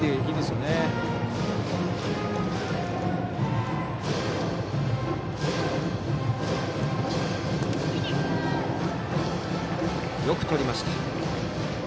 よくとりました。